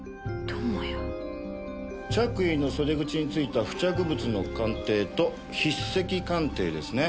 着衣の袖口についた付着物の鑑定と筆跡鑑定ですね。